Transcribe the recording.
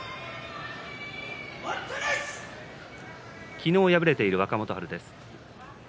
昨日、敗れている若元春です。